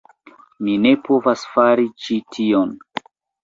Mi ne povas fari ĉi tion!